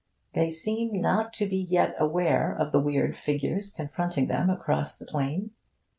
They seem not to be yet aware of the weird figures confronting them across the plain.